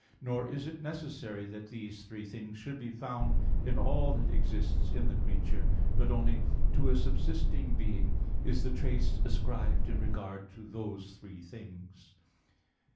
Nor is it necessary that these three things should be found in all that exists in the creature; but only to a subsisting being is the trace ascribed in regard to those three things.